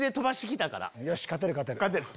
よし勝てる勝てる。